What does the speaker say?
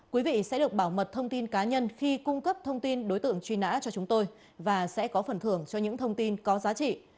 quý vị sẽ được bảo mật thông tin cá nhân khi cung cấp thông tin đối tượng truy nã cho chúng tôi và sẽ có phần thưởng cho những thông tin có giá trị